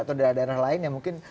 atau daerah daerah lain yang mungkin